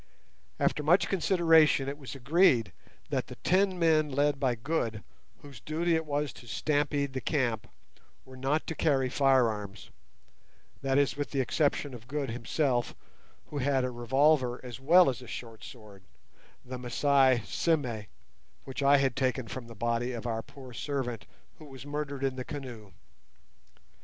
After much consideration it was agreed that the ten men led by Good, whose duty it was to stampede the camp, were not to carry firearms; that is, with the exception of Good himself, who had a revolver as well as a short sword—the Masai "sime" which I had taken from the body of our poor servant who was murdered in the canoe.